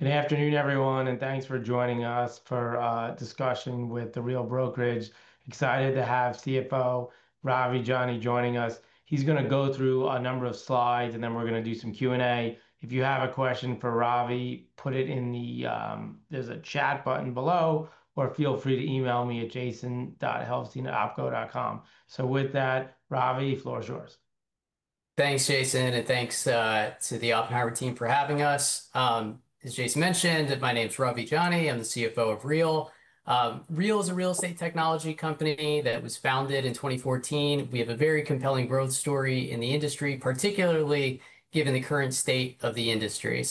Good afternoon, everyone, and thanks for joining us for our discussion with The Real Brokerage. Excited to have CFO Ravi Jani joining us. He's going to go through a number of slides, and then we're going to do some Q&A. If you have a question for Ravi, put it in the, there's a chat button below, or feel free to email me at jason.helfstein@opco.com. With that, Ravi, the floor is yours. Thanks, Jason, and thanks to the Oppenheimer team for having us. As Jason mentioned, my name is Ravi Jani. I'm the CFO of Real. Real is a real estate technology company that was founded in 2014. We have a very compelling growth story in the industry, particularly given the current state of the industry.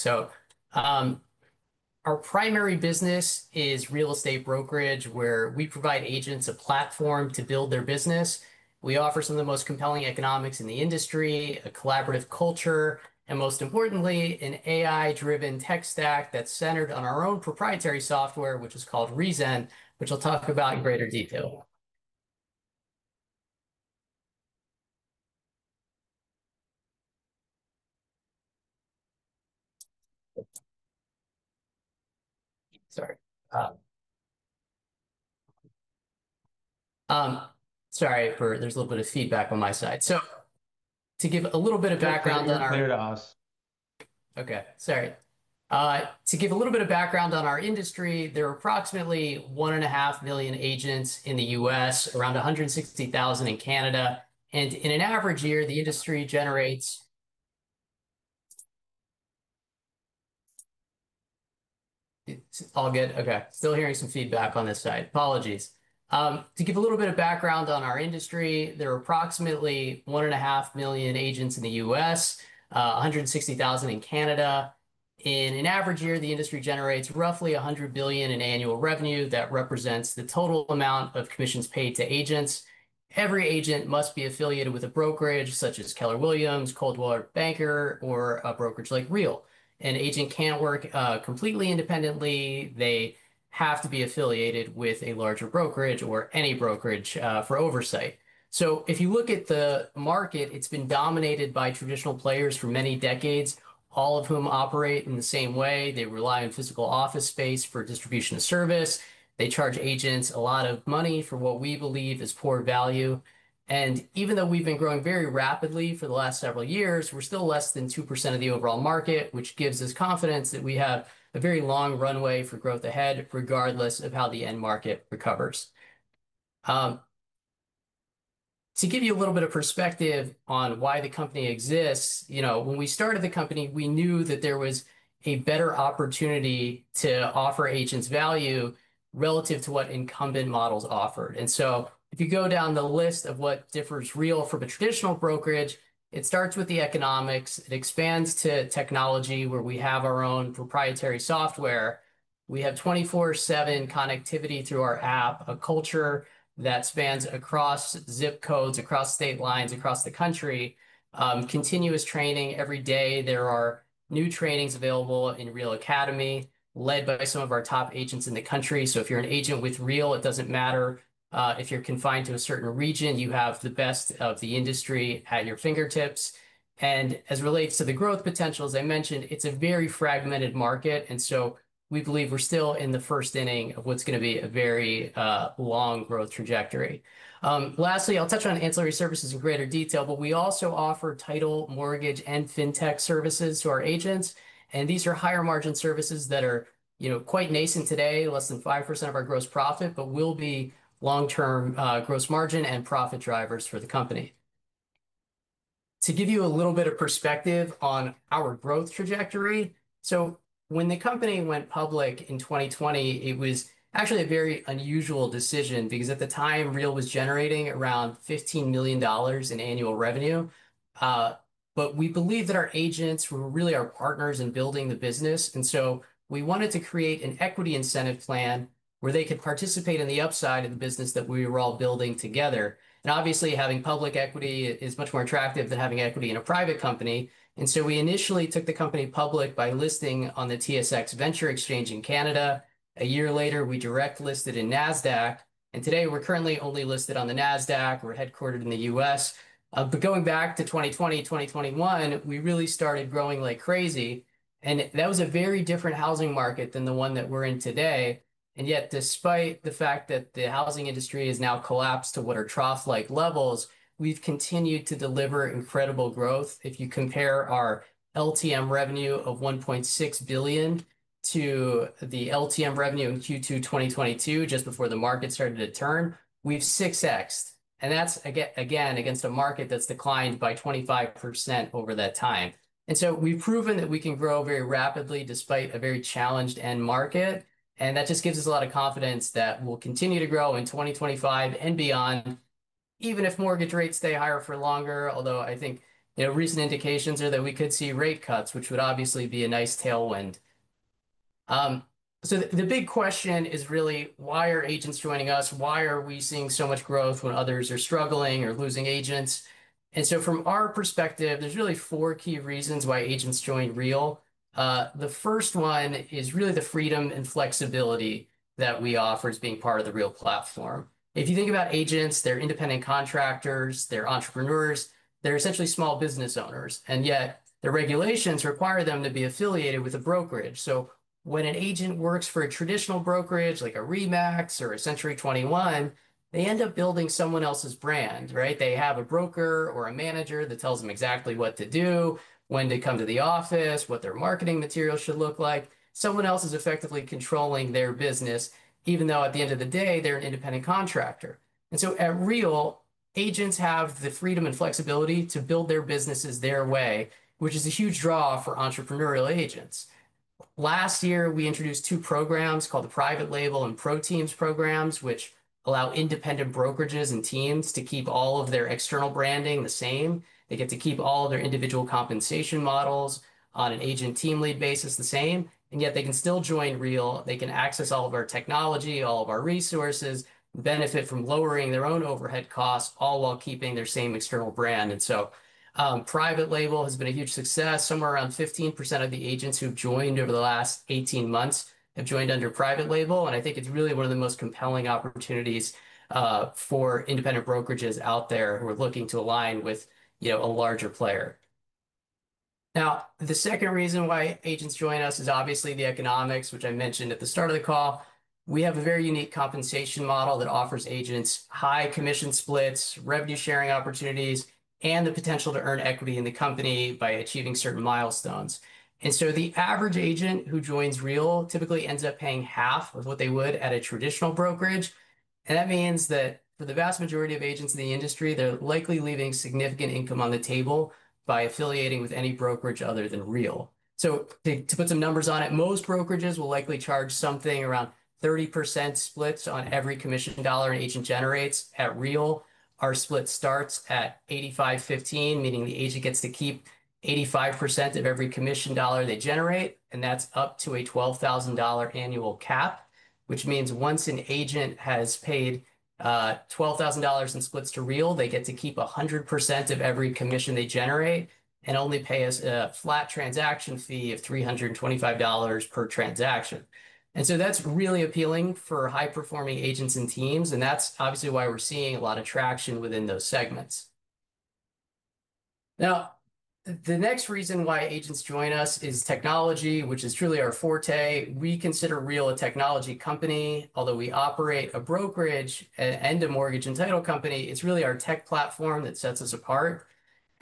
Our primary business is real estate brokerage, where we provide agents a platform to build their business. We offer some of the most compelling economics in the industry, a collaborative culture, and most importantly, an AI-driven tech stack that's centered on our own proprietary software, which is called reZEN, which I'll talk about in greater detail. Sorry, there's a little bit of feedback on my side. To give a little bit of background on our... It's okay. To give a little bit of background on our industry, there are approximately 1.5 million agents in the U.S., around 160,000 in Canada. In an average year, the industry generates roughly $100 billion in annual revenue that represents the total amount of commissions paid to agents. Every agent must be affiliated with a brokerage such as Keller Williams, Coldwell Banker, or a brokerage like Real. An agent can't work completely independently. They have to be affiliated with a larger brokerage or any brokerage for oversight. If you look at the market, it's been dominated by traditional players for many decades, all of whom operate in the same way. They rely on physical office space for distribution of service. They charge agents a lot of money for what we believe is poor value. Even though we've been growing very rapidly for the last several years, we're still less than 2% of the overall market, which gives us confidence that we have a very long runway for growth ahead, regardless of how the end market recovers. To give you a little bit of perspective on why the company exists, when we started the company, we knew that there was a better opportunity to offer agents value relative to what incumbent models offered. If you go down the list of what differs Real from a traditional brokerage, it starts with the economics. It expands to technology, where we have our own proprietary software. We have 24/7 connectivity through our app, a culture that spans across zip codes, across state lines, across the country. Continuous training every day. There are new trainings available in Real Academy, led by some of our top agents in the country. If you're an agent with Real, it doesn't matter if you're confined to a certain region, you have the best of the industry at your fingertips. As it relates to the growth potential, as I mentioned, it's a very fragmented market. We believe we're still in the first inning of what's going to be a very long growth trajectory. Lastly, I'll touch on ancillary services in greater detail, but we also offer title, mortgage, and fintech services to our agents. These are higher margin services that are, you know, quite nascent today, less than 5% of our gross profit, but will be long-term gross margin and profit drivers for the company. To give you a little bit of perspective on our growth trajectory, when the company went public in 2020, it was actually a very unusual decision because at the time, Real was generating around $15 million in annual revenue. We believe that our agents were really our partners in building the business, and we wanted to create an equity incentive plan where they could participate in the upside of the business that we were all building together. Obviously, having public equity is much more attractive than having equity in a private company. We initially took the company public by listing on the TSX Venture Exchange in Canada. A year later, we direct listed in NASDAQ, and today, we're currently only listed on the NASDAQ. We're headquartered in the U.S. Going back to 2020, 2021, we really started growing like crazy. That was a very different housing market than the one that we're in today. Yet, despite the fact that the housing industry has now collapsed to what are trough-like levels, we've continued to deliver incredible growth. If you compare our LTM revenue of $1.6 billion to the LTM revenue in Q2 2022, just before the market started to turn, we've 6x'd. That's, again, against a market that's declined by 25% over that time. We've proven that we can grow very rapidly despite a very challenged end market. That just gives us a lot of confidence that we'll continue to grow in 2025 and beyond, even if mortgage rates stay higher for longer. I think, you know, recent indications are that we could see rate cuts, which would obviously be a nice tailwind. The big question is really, why are agents joining us? Why are we seeing so much growth when others are struggling or losing agents? From our perspective, there's really four key reasons why agents join Real. The first one is really the freedom and flexibility that we offer as being part of the Real platform. If you think about agents, they're independent contractors, they're entrepreneurs, they're essentially small business owners. Yet, the regulations require them to be affiliated with a brokerage. When an agent works for a traditional brokerage, like a RE/MAX or a Century 21, they end up building someone else's brand, right? They have a broker or a manager that tells them exactly what to do, when they come to the office, what their marketing material should look like. Someone else is effectively controlling their business, even though at the end of the day, they're an independent contractor. At Real, agents have the freedom and flexibility to build their businesses their way, which is a huge draw for entrepreneurial agents. Last year, we introduced two programs called the Private Label and Pro Teams programs, which allow independent brokerages and teams to keep all of their external branding the same. They get to keep all of their individual compensation models on an agent team lead basis the same, yet they can still join Real. They can access all of our technology, all of our resources, benefit from lowering their own overhead costs, all while keeping their same external brand. Private Label has been a huge success. Somewhere around 15% of the agents who've joined over the last 18 months have joined under Private Label. I think it's really one of the most compelling opportunities for independent brokerages out there who are looking to align with, you know, a larger player. The second reason why agents join us is obviously the economics, which I mentioned at the start of the call. We have a very unique compensation model that offers agents high commission splits, revenue sharing opportunities, and the potential to earn equity in the company by achieving certain milestones. The average agent who joins Real typically ends up paying half of what they would at a traditional brokerage. That means that for the vast majority of agents in the industry, they're likely leaving significant income on the table by affiliating with any brokerage other than Real. To put some numbers on it, most brokerages will likely charge something around 30% splits on every commission dollar an agent generates. At Real, our split starts at 85/15, meaning the agent gets to keep 85% of every commission dollar they generate. That's up to a $12,000 annual cap, which means once an agent has paid $12,000 in splits to Real, they get to keep 100% of every commission they generate and only pay us a flat transaction fee of $325 per transaction. That's really appealing for high-performing agents and teams. That's obviously why we're seeing a lot of traction within those segments. Now, the next reason why agents join us is technology, which is truly our forte. We consider Real a technology company, although we operate a brokerage and a mortgage and title company. It's really our tech platform that sets us apart.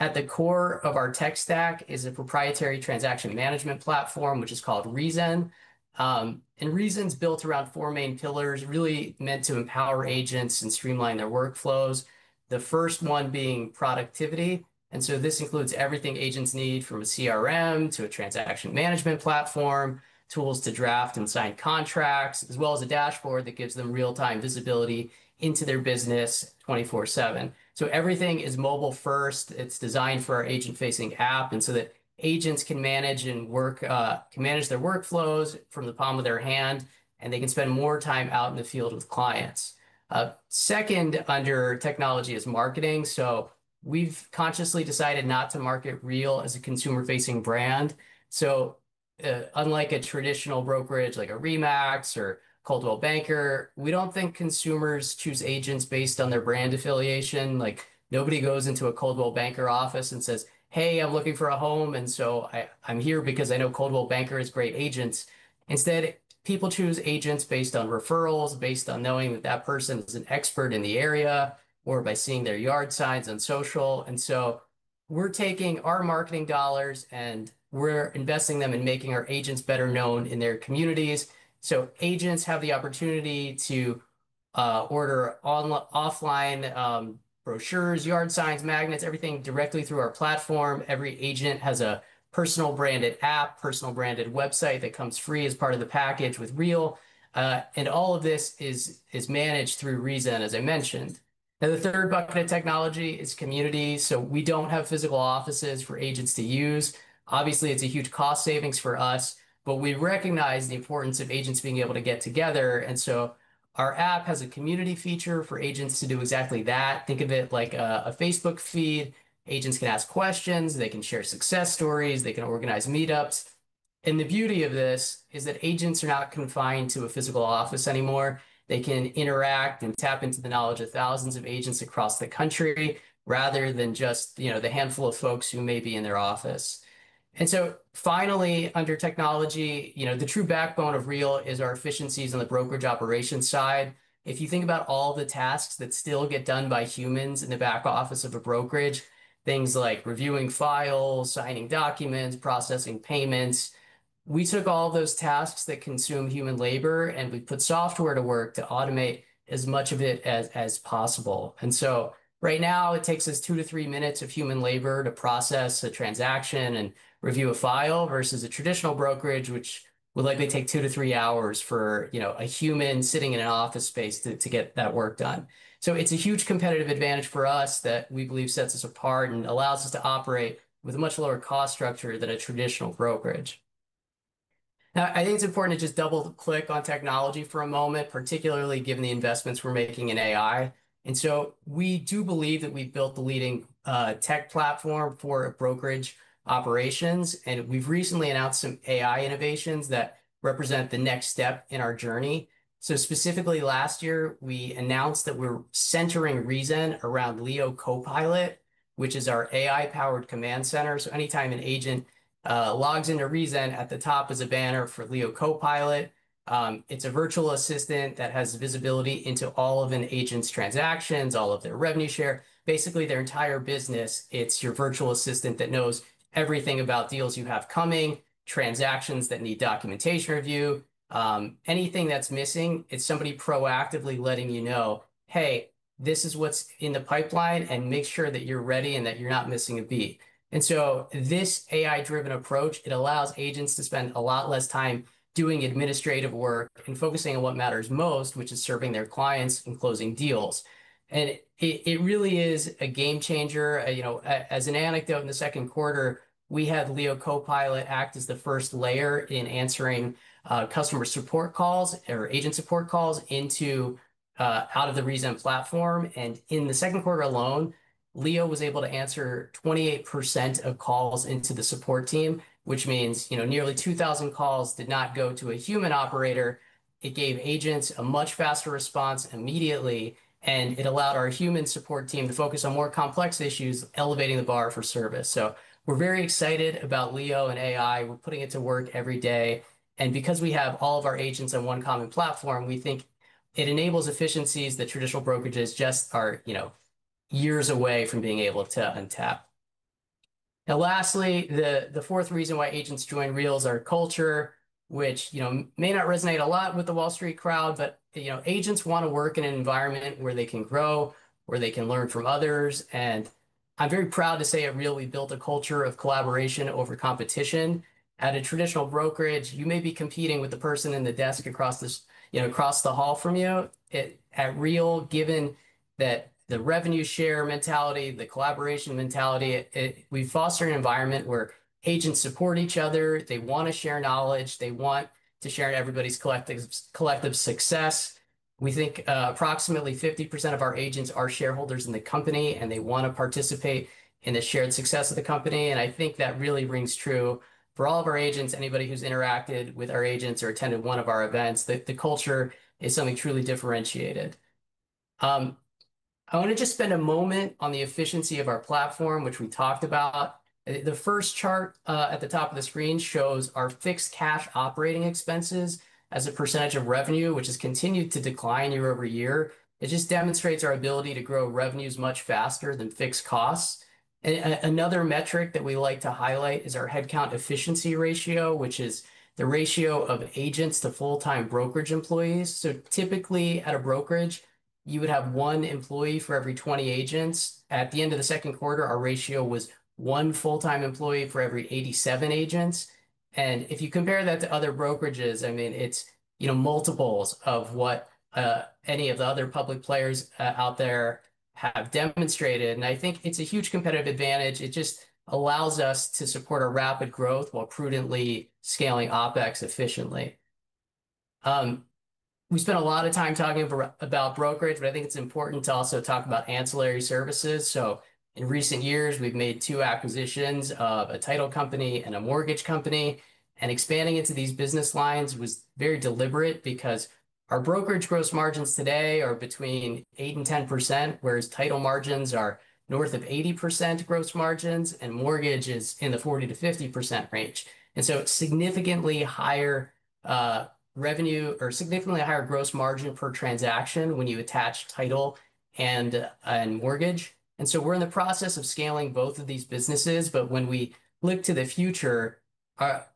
At the core of our tech stack is a proprietary transaction management platform, which is called reZEN. reZEN is built around four main pillars, really meant to empower agents and streamline their workflows. The first one being productivity. This includes everything agents need from a CRM to a transaction management platform, tools to draft and sign contracts, as well as a dashboard that gives them real-time visibility into their business 24/7. Everything is mobile-first. It's designed for our agent-facing app so that agents can manage their workflows from the palm of their hand, and they can spend more time out in the field with clients. Second under technology is marketing. We've consciously decided not to market Real as a consumer-facing brand. Unlike a traditional brokerage like a RE/MAX or Coldwell Banker, we don't think consumers choose agents based on their brand affiliation. Nobody goes into a Coldwell Banker office and says, "Hey, I'm looking for a home, and so I'm here because I know Coldwell Banker has great agents." Instead, people choose agents based on referrals, based on knowing that that person is an expert in the area, or by seeing their yard signs on social. We're taking our marketing dollars and investing them in making our agents better known in their communities. Agents have the opportunity to order offline brochures, yard signs, magnets, everything directly through our platform. Every agent has a personal branded app, personal branded website that comes free as part of the package with Real, and all of this is managed through reZEN, as I mentioned. Now, the third bucket of technology is community. We don't have physical offices for agents to use. Obviously, it's a huge cost savings for us, but we recognize the importance of agents being able to get together. Our app has a community feature for agents to do exactly that. Think of it like a Facebook feed. Agents can ask questions, they can share success stories, they can organize meetups. The beauty of this is that agents are not confined to a physical office anymore. They can interact and tap into the knowledge of thousands of agents across the country, rather than just, you know, the handful of folks who may be in their office. Finally, under technology, the true backbone of Real is our efficiencies on the brokerage operations side. If you think about all the tasks that still get done by humans in the back office of a brokerage, things like reviewing files, signing documents, processing payments, we took all those tasks that consume human labor and we put software to work to automate as much of it as possible. Right now, it takes us two to three minutes of human labor to process a transaction and review a file versus a traditional brokerage, which would likely take two to three hours for, you know, a human sitting in an office space to get that work done. It's a huge competitive advantage for us that we believe sets us apart and allows us to operate with a much lower cost structure than a traditional brokerage. I think it's important to just double click on technology for a moment, particularly given the investments we're making in AI. We do believe that we've built the leading tech platform for brokerage operations, and we've recently announced some AI innovations that represent the next step in our journey. Specifically, last year, we announced that we're centering reZEN around Leo CoPilot, which is our AI-powered command center. Anytime an agent logs into reZEN, at the top is a banner for Leo CoPilot. It's a virtual assistant that has visibility into all of an agent's transactions, all of their revenue share, basically their entire business. It's your virtual assistant that knows everything about deals you have coming, transactions that need documentation review, anything that's missing, it's somebody proactively letting you know, "Hey, this is what's in the pipeline and make sure that you're ready and that you're not missing a beat." This AI-driven approach allows agents to spend a lot less time doing administrative work and focusing on what matters most, which is serving their clients and closing deals. It really is a game changer. As an anecdote, in the second quarter, we had Leo CoPilot act as the first layer in answering customer support calls or agent support calls out of the reZEN platform. In the second quarter alone, Leo CoPilot was able to answer 28% of calls into the support team, which means nearly 2,000 calls did not go to a human operator. It gave agents a much faster response immediately, and it allowed our human support team to focus on more complex issues, elevating the bar for service. We are very excited about Leo CoPilot and AI. We are putting it to work every day. Because we have all of our agents on one common platform, we think it enables efficiencies that traditional brokerages are years away from being able to untap. Lastly, the fourth reason why agents join Real is our culture, which may not resonate a lot with the Wall Street crowd, but agents want to work in an environment where they can grow, where they can learn from others. I am very proud to say at Real, we built a culture of collaboration over competition. At a traditional brokerage, you may be competing with the person in the desk across the hall from you. At Real, given the revenue sharing mentality, the collaboration mentality, we foster an environment where agents support each other. They want to share knowledge. They want to share in everybody's collective success. We think approximately 50% of our agents are shareholders in the company, and they want to participate in the shared success of the company. I think that really rings true for all of our agents, anybody who's interacted with our agents or attended one of our events, that the culture is something truly differentiated. I want to just spend a moment on the efficiency of our platform, which we talked about. The first chart at the top of the screen shows our fixed cash operating expenses as a percentage of revenue, which has continued to decline year over year. It demonstrates our ability to grow revenues much faster than fixed costs. Another metric that we like to highlight is our headcount efficiency ratio, which is the ratio of agents to full-time brokerage employees. Typically, at a brokerage, you would have one employee for every 20 agents. At the end of the second quarter, our ratio was one full-time employee for every 87 agents. If you compare that to other brokerages, it is multiples of what any of the other public players out there have demonstrated. I think it is a huge competitive advantage. It allows us to support rapid growth while prudently scaling OpEx efficiently. We spent a lot of time talking about brokerage, but I think it's important to also talk about ancillary services. In recent years, we've made two acquisitions of a title company and a mortgage company, and expanding into these business lines was very deliberate because our brokerage gross margins today are between 8%-10%, whereas title margins are north of 80% gross margins, and mortgage is in the 40%-50% range. These are significantly higher revenue or significantly higher gross margin per transaction when you attach title and mortgage. We're in the process of scaling both of these businesses. When we look to the future,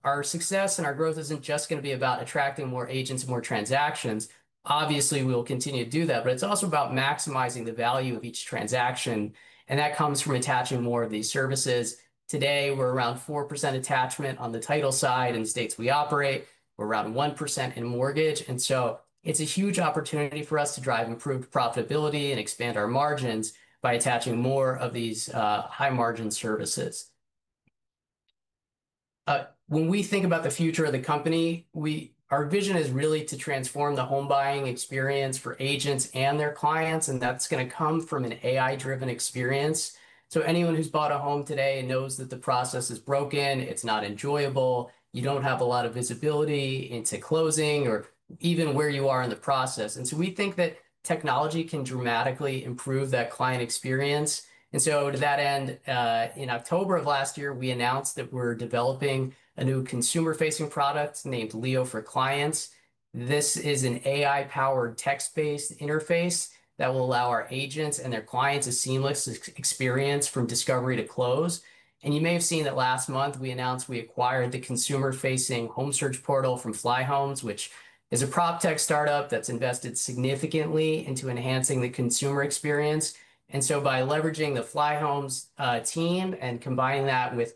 our success and our growth isn't just going to be about attracting more agents and more transactions. Obviously, we'll continue to do that, but it's also about maximizing the value of each transaction, and that comes from attaching more of these services. Today, we're around 4% attachment on the title side in the states we operate. We're around 1% in mortgage. It's a huge opportunity for us to drive improved profitability and expand our margins by attaching more of these high margin services. When we think about the future of the company, our vision is really to transform the home buying experience for agents and their clients, and that's going to come from an AI-driven experience. Anyone who's bought a home today knows that the process is broken, it's not enjoyable, you don't have a lot of visibility into closing or even where you are in the process. We think that technology can dramatically improve that client experience. To that end, in October of last year, we announced that we're developing a new consumer-facing product named Leo CoPilot for Clients. This is an AI-powered text-based interface that will allow our agents and their clients a seamless experience from discovery to close. You may have seen that last month, we announced we acquired the consumer-facing home search portal from Flyhomes, which is a prop tech startup that's invested significantly into enhancing the consumer experience. By leveraging the Flyhomes team and combining that with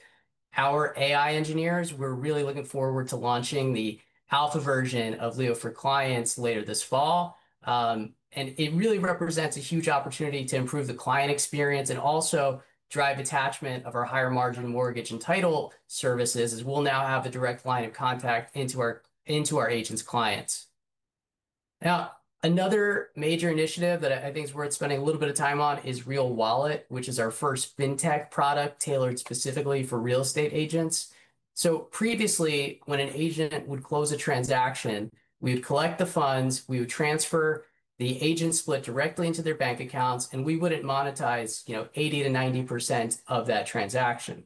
our AI engineers, we're really looking forward to launching the alpha version of Leo CoPilot for Clients later this fall. It really represents a huge opportunity to improve the client experience and also drive attachment of our higher margin mortgage and title services as we'll now have a direct line of contact into our agents' clients. Now, another major initiative that I think is worth spending a little bit of time on is Real Wallet, which is our first fintech product tailored specifically for real estate agents. Previously, when an agent would close a transaction, we would collect the funds, we would transfer the agent's split directly into their bank accounts, and we wouldn't monetize 80%-90% of that transaction.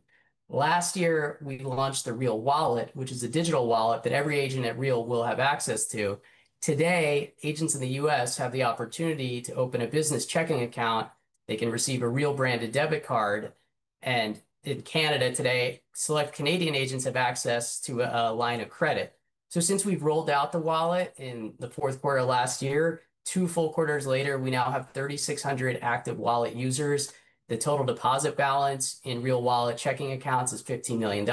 Last year, we launched the Real Wallet, which is a digital wallet that every agent at Real will have access to. Today, agents in the U.S. have the opportunity to open a business checking account. They can receive a Real branded debit card, and in Canada today, select Canadian agents have access to a line of credit. Since we've rolled out the wallet in the fourth quarter of last year, two full quarters later, we now have 3,600 active wallet users. The total deposit balance in Real Wallet checking accounts is $15 million.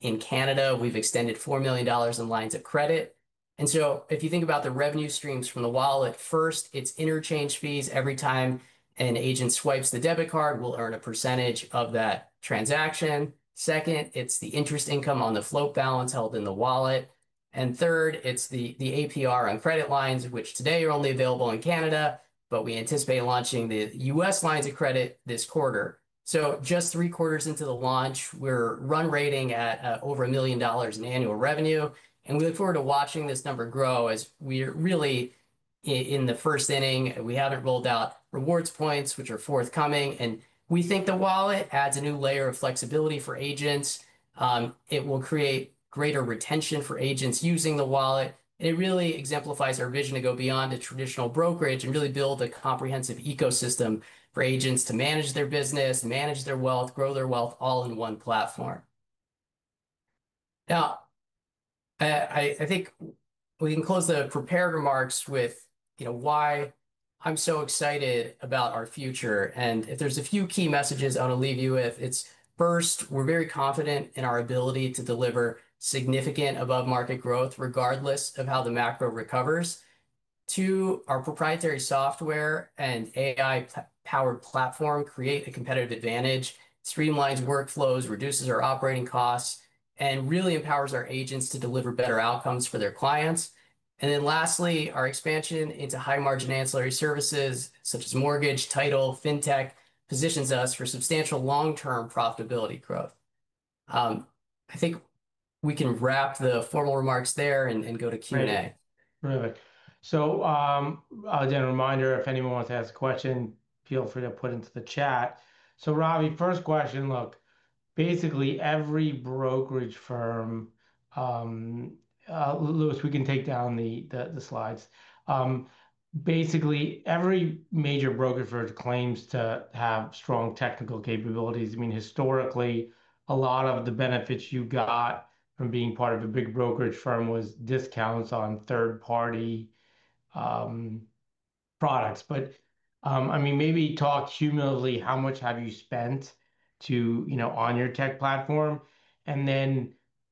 In Canada, we've extended $4 million in lines of credit. If you think about the revenue streams from the wallet, first, it's interchange fees. Every time an agent swipes the debit card, we'll earn a percentage of that transaction. Second, it's the interest income on the float balance held in the wallet. Third, it's the APR on credit lines, which today are only available in Canada, but we anticipate launching the U.S. lines of credit this quarter. Just three quarters into the launch, we're run rating at over $1 million in annual revenue, and we look forward to watching this number grow as we're really in the first inning. We haven't rolled out rewards points, which are forthcoming, and we think the wallet adds a new layer of flexibility for agents. It will create greater retention for agents using the wallet, and it really exemplifies our vision to go beyond a traditional brokerage and really build a comprehensive ecosystem for agents to manage their business, manage their wealth, grow their wealth all in one platform. I think we can close the prepared remarks with why I'm so excited about our future. If there's a few key messages I want to leave you with, it's first, we're very confident in our ability to deliver significant above-market growth regardless of how the macro recovers. Our proprietary software and AI-powered platform create a competitive advantage, streamlines workflows, reduces our operating costs, and really empowers our agents to deliver better outcomes for their clients. Lastly, our expansion into high-margin ancillary services such as mortgage, title, fintech positions us for substantial long-term profitability growth. I think we can wrap the formal remarks there and go to Q&A. All right. A reminder, if anyone wants to ask a question, feel free to put it into the chat. Ravi, first question. Basically, every brokerage firm—Louis, we can take down the slides—basically, every major brokerage firm claims to have strong technical capabilities. Historically, a lot of the benefits you got from being part of a big brokerage firm were discounts on third-party products. Maybe talk cumulatively, how much have you spent on your tech platform?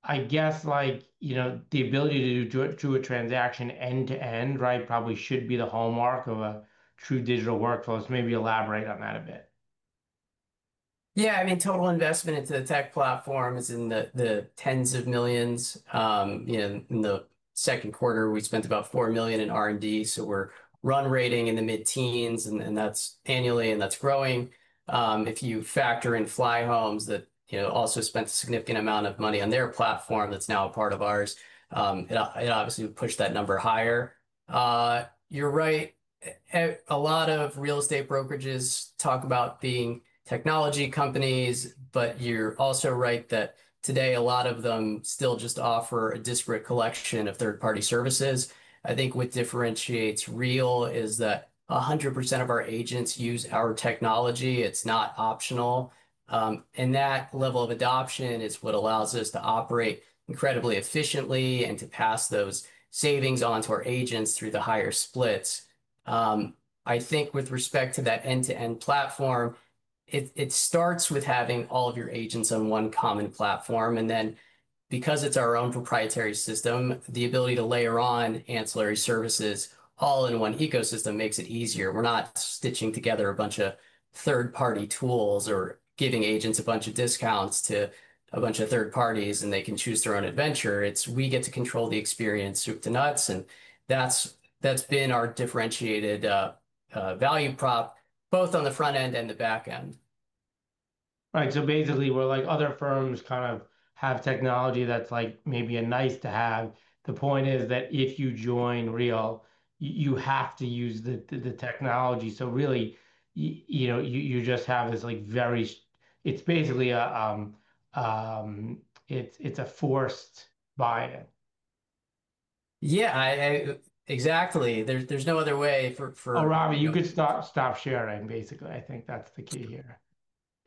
I guess the ability to do a transaction end-to-end probably should be the hallmark of a true digital workflow. Maybe elaborate on that a bit. Yeah, I mean, total investment into the tech platform is in the tens of millions. You know, in the second quarter, we spent about $4 million in R&D. We're run rating in the mid-teens, and that's annually, and that's growing. If you factor in Flyhomes that, you know, also spent a significant amount of money on their platform that's now a part of ours, it obviously pushed that number higher. You're right. A lot of real estate brokerages talk about being technology companies, but you're also right that today a lot of them still just offer a disparate collection of third-party services. I think what differentiates Real is that 100% of our agents use our technology. It's not optional, and that level of adoption is what allows us to operate incredibly efficiently and to pass those savings onto our agents through the higher splits. I think with respect to that end-to-end platform, it starts with having all of your agents on one common platform. Because it's our own proprietary system, the ability to layer on ancillary services all in one ecosystem makes it easier. We're not stitching together a bunch of third-party tools or giving agents a bunch of discounts to a bunch of third parties, and they can choose their own adventure. We get to control the experience soup to nuts, and that's been our differentiated value prop both on the front end and the back end. Right. Basically, like other firms kind of have technology that's maybe a nice-to-have. The point is that if you join Real, you have to use the technology. You just have this very, it's basically a forced buy-in. Yeah, exactly. There's no other way for... Oh, Ravi, you could stop sharing. I think that's the key here.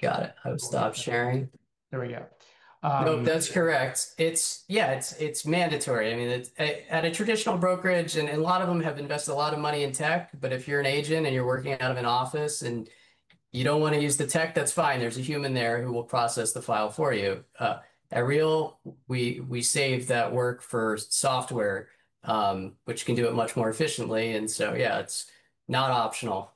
Got it. I would stop sharing. There we go. Nope, that's correct. It's, yeah, it's mandatory. I mean, at a traditional brokerage, and a lot of them have invested a lot of money in tech, but if you're an agent and you're working out of an office and you don't want to use the tech, that's fine. There's a human there who will process the file for you. At Real, we save that work for software, which can do it much more efficiently. Yeah, it's not optional.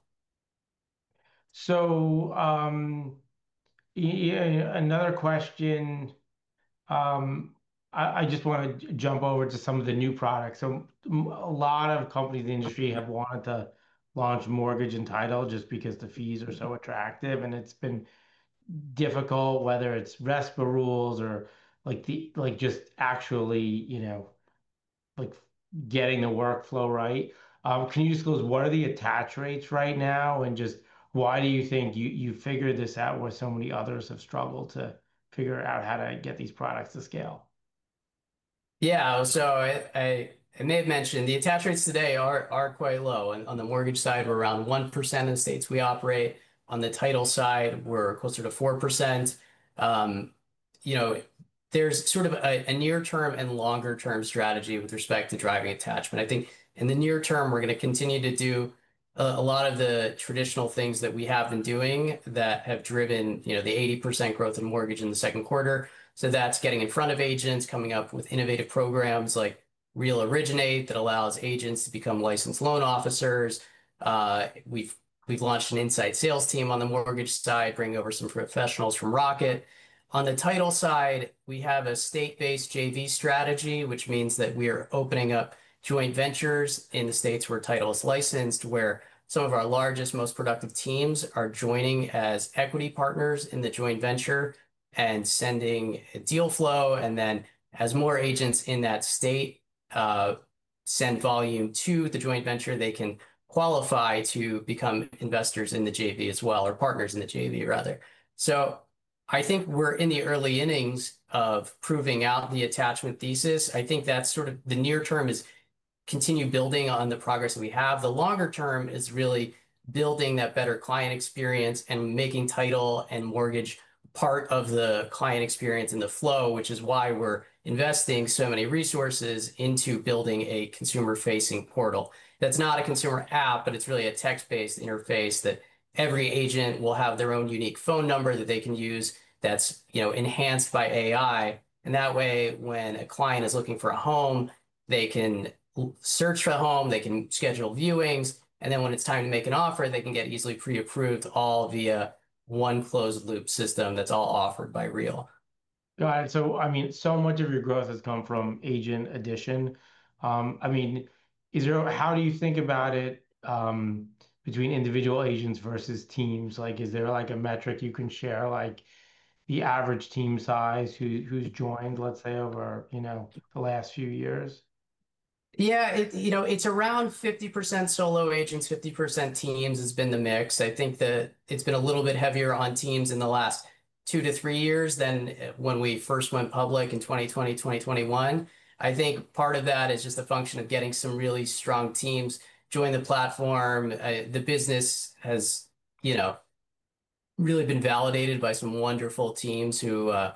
I just want to jump over to some of the new products. A lot of companies in the industry have wanted to launch mortgage and title just because the fees are so attractive, and it's been difficult, whether it's RESPA rules or just actually getting the workflow right. Can you disclose what are the attach rates right now and just why do you think you figured this out where so many others have struggled to figure out how to get these products to scale? Yeah, so I may have mentioned the attach rates today are quite low. On the mortgage side, we're around 1% in the states we operate. On the title side, we're closer to 4%. There's sort of a near-term and longer-term strategy with respect to driving attachment. I think in the near term, we're going to continue to do a lot of the traditional things that we have been doing that have driven the 80% growth of mortgage in the second quarter. That's getting in front of agents, coming up with innovative programs like Real Originate that allows agents to become licensed loan officers. We've launched an inside sales team on the mortgage side, bringing over some professionals from Rocket. On the title side, we have a state-based JV strategy, which means that we are opening up joint ventures in the states where title is licensed, where some of our largest, most productive teams are joining as equity partners in the joint venture and sending a deal flow. As more agents in that state send volume to the joint venture, they can qualify to become investors in the JV as well, or partners in the JV rather. I think we're in the early innings of proving out the attachment thesis. I think that's sort of the near term is continue building on the progress that we have. The longer term is really building that better client experience and making title and mortgage part of the client experience and the flow, which is why we're investing so many resources into building a consumer-facing portal. That's not a consumer app, but it's really a text-based interface that every agent will have their own unique phone number that they can use that's enhanced by AI. That way, when a client is looking for a home, they can search for a home, they can schedule viewings, and then when it's time to make an offer, they can get easily pre-approved all via one closed loop system that's all offered by Real. Got it. So much of your growth has come from agent addition. Is there, how do you think about it, between individual agents versus teams? Is there a metric you can share, like the average team size, who's joined, let's say, over the last few years? Yeah, you know, it's around 50% solo agents, 50% teams has been the mix. I think that it's been a little bit heavier on teams in the last two to three years than when we first went public in 2020, 2021. I think part of that is just a function of getting some really strong teams joining the platform. The business has really been validated by some wonderful teams who've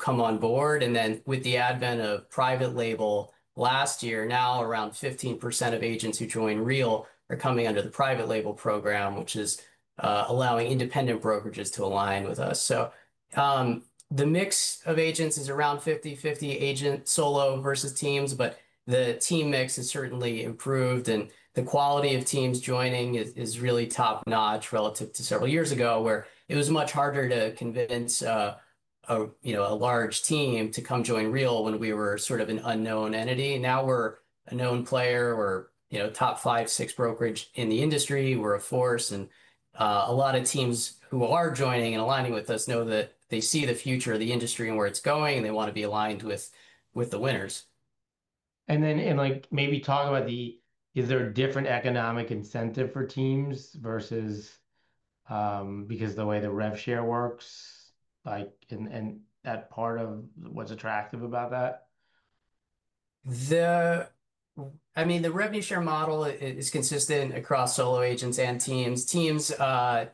come on board. With the advent of Private Label last year, now around 15% of agents who join Real are coming under the Private Label program, which is allowing independent brokerages to align with us. The mix of agents is around 50/50 agent solo versus teams, but the team mix has certainly improved. The quality of teams joining is really top-notch relative to several years ago, where it was much harder to convince a large team to come join Real when we were sort of an unknown entity. Now we're a known player. We're a top five, six brokerage in the industry. We're a force. A lot of teams who are joining and aligning with us know that they see the future of the industry and where it's going, and they want to be aligned with the winners. Maybe talk about the, is there a different economic incentive for teams versus, because the way the revenue sharing works, like, and that part of what's attractive about that? I mean, the revenue share model is consistent across solo agents and teams. Teams,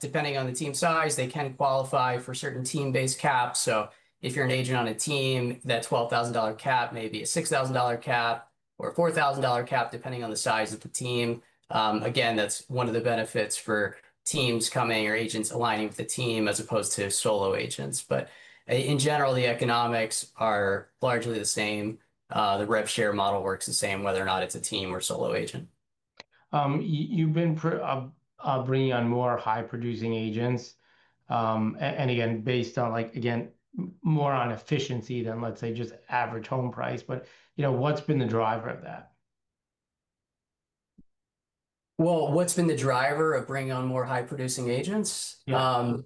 depending on the team size, can qualify for certain team-based caps. If you're an agent on a team, that $12,000 cap may be a $6,000 cap or a $4,000 cap, depending on the size of the team. Again, that's one of the benefits for teams coming or agents aligning with the team as opposed to solo agents. In general, the economics are largely the same. The revenue share model works the same whether or not it's a team or solo agent. You've been operating on more high-producing agents, and again, based more on efficiency than just average home price. You know, what's been the driver of that? What's been the driver of bringing on more high-producing agents? I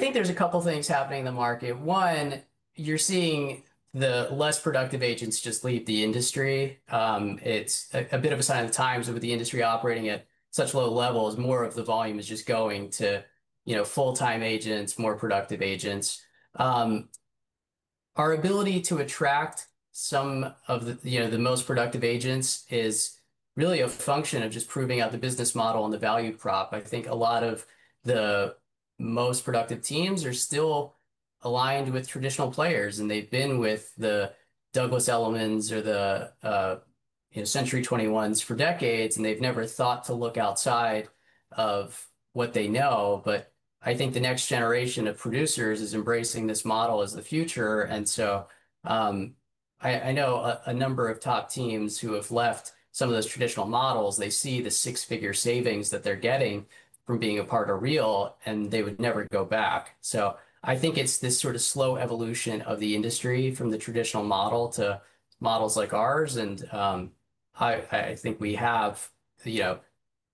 think there's a couple of things happening in the market. One, you're seeing the less productive agents just leave the industry. It's a bit of a sign of the times with the industry operating at such low levels. More of the volume is just going to, you know, full-time agents, more productive agents. Our ability to attract some of the, you know, the most productive agents is really a function of just proving out the business model and the value prop. I think a lot of the most productive teams are still aligned with traditional players, and they've been with the Douglas Ellimans or the, you know, Century 21s for decades, and they've never thought to look outside of what they know. I think the next generation of producers is embracing this model as the future. I know a number of top teams who have left some of those traditional models, they see the six-figure savings that they're getting from being a part of Real, and they would never go back. I think it's this sort of slow evolution of the industry from the traditional model to models like ours. I think we have, you know,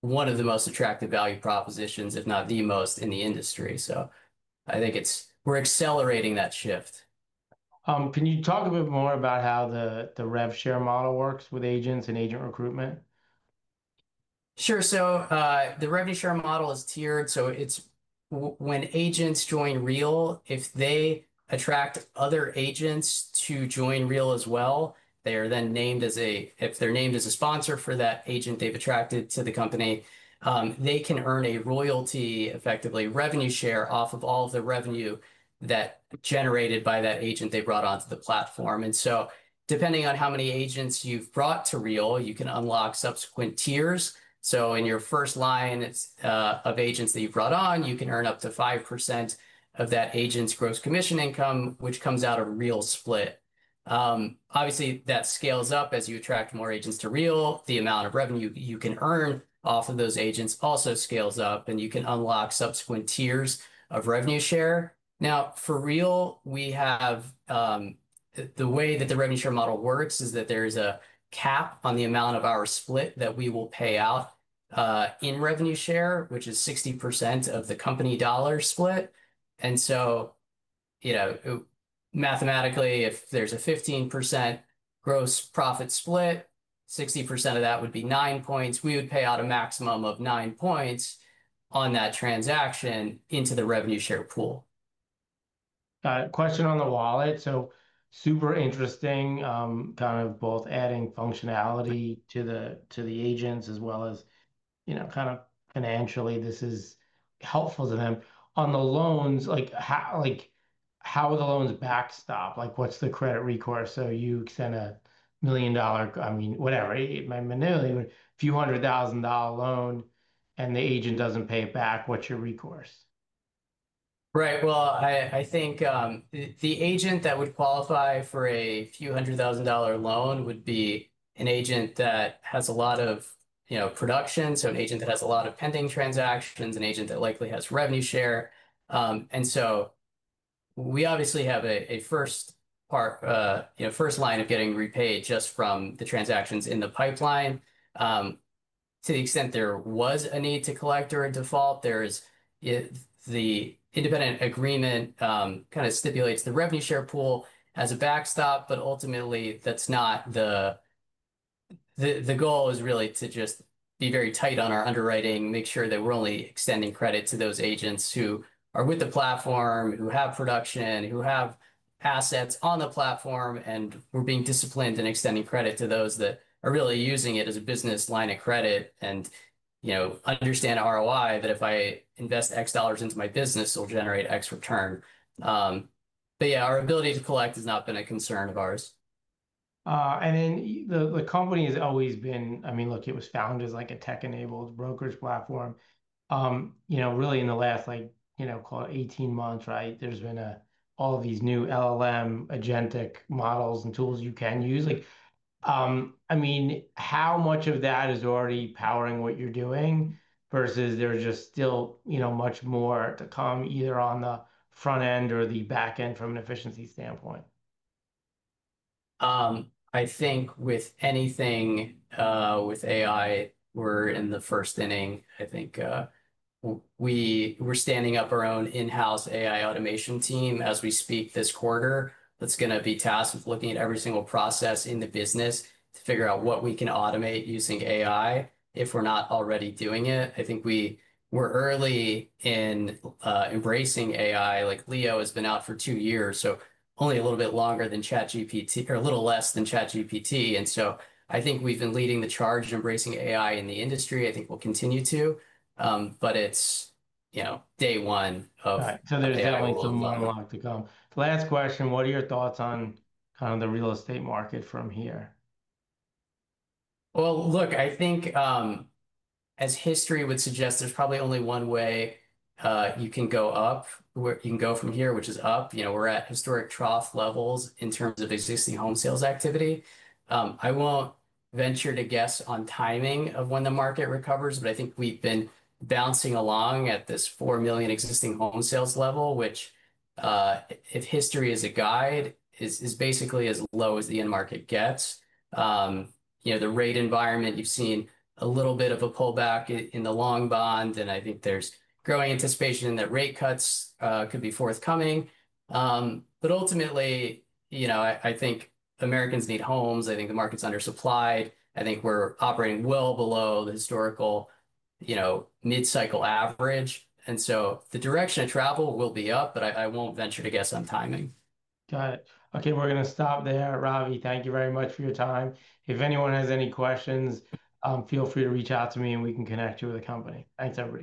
one of the most attractive value propositions, if not the most in the industry. I think it's, we're accelerating that shift. Can you talk a bit more about how the rev share model works with agents and agent recruitment? Sure. The revenue share model is tiered. When agents join Real, if they attract other agents to join Real as well, they are then named as a sponsor for that agent they've attracted to the company. They can earn a royalty, effectively revenue share, off of all of the revenue that is generated by that agent they brought onto the platform. Depending on how many agents you've brought to Real, you can unlock subsequent tiers. In your first line of agents that you've brought on, you can earn up to 5% of that agent's gross commission income, which comes out of Real's split. Obviously, that scales up as you attract more agents to Real. The amount of revenue you can earn off of those agents also scales up, and you can unlock subsequent tiers of revenue share. For Real, the way that the revenue share model works is that there's a cap on the amount of our split that we will pay out in revenue share, which is 60% of the company dollar split. Mathematically, if there's a 15% gross profit split, 60% of that would be nine points. We would pay out a maximum of nine points on that transaction into the revenue share pool. Question on the wallet. Super interesting, kind of both adding functionality to the agents as well as, you know, kind of financially, this is helpful to them. On the loans, like how are the loans backstopped? What's the credit recourse? You send a $1 million, I mean, whatever, my $1 million, few hundred thousand dollar loan and the agent doesn't pay it back. What's your recourse? Right. I think the agent that would qualify for a few hundred thousand dollar loan would be an agent that has a lot of production, an agent that has a lot of pending transactions, an agent that likely has revenue share. We obviously have a first part, first line of getting repaid just from the transactions in the pipeline. To the extent there was a need to collect or in default, there's the independent agreement that kind of stipulates the revenue share pool as a backstop, but ultimately that's not the goal. The goal is really to just be very tight on our underwriting, make sure that we're only extending credit to those agents who are with the platform, who have production, who have assets on the platform, and we're being disciplined in extending credit to those that are really using it as a business line of credit and understand ROI, that if I invest X dollars into my business, it'll generate X return. Our ability to collect has not been a concern of ours. The company has always been, I mean, look, it was founded as a tech-enabled brokerage platform. Really in the last, like, call it 18 months, there's been all of these new LLM agentic models and tools you can use. How much of that is already powering what you're doing versus there's just still much more to come either on the front end or the back end from an efficiency standpoint? I think with anything, with AI, we're in the first inning. We're standing up our own in-house AI automation team as we speak this quarter that's going to be tasked with looking at every single process in the business to figure out what we can automate using AI if we're not already doing it. I think we were early in embracing AI. Like Leo CoPilot has been out for two years, so only a little bit longer than ChatGPT or a little less than ChatGPT. I think we've been leading the charge to embracing AI in the industry. I think we'll continue to, but it's day one of. There is definitely some unlock to come. Last question, what are your thoughts on kind of the real estate market from here? I think, as history would suggest, there's probably only one way you can go from here, which is up. We're at historic trough levels in terms of existing home sales activity. I won't venture to guess on timing of when the market recovers, but I think we've been bouncing along at this 4 million existing home sales level, which, if history is a guide, is basically as low as the end market gets. The rate environment, you've seen a little bit of a pullback in the long bond, and I think there's growing anticipation that rate cuts could be forthcoming. Ultimately, I think Americans need homes. I think the market's undersupplied. I think we're operating well below the historical mid-cycle average. The direction of travel will be up, but I won't venture to guess on timing. Got it. Okay, we're going to stop there. Ravi, thank you very much for your time. If anyone has any questions, feel free to reach out to me and we can connect you with the company. Thanks, everybody.